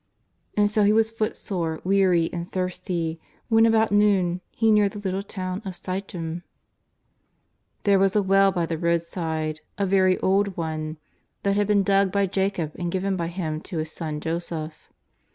And so He was footsore, weary and thirsty when about noon He neared the little town of Sichem. There was a well by the roadside, a very old one, that 158 JESUS OF NAZ^yiETH. had been dug by Jacob and given by him to his son Joseph.